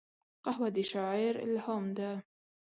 قهوه د شاعر الهام ده